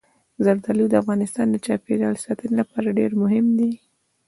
زردالو د افغانستان د چاپیریال ساتنې لپاره ډېر مهم دي.